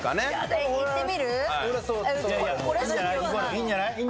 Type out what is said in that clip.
いいんじゃない？